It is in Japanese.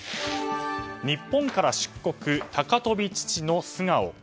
日本から出国高跳び父の素顔。